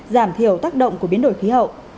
giảm thiểu tác động của biến đổi khí hậu